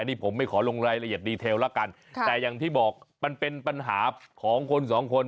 นี่ผมไม่ขอลงรายละเอียดดีเทลละกันแต่อย่างที่บอกมันเป็นปัญหาของคนสองคน